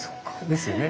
ですよね。